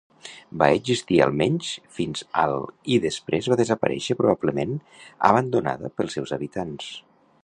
Va existir almenys fins al i després va desaparèixer probablement abandonada pels seus habitants.